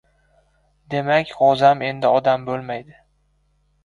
Demak, g‘o‘zam endi odam bo‘lmaydi.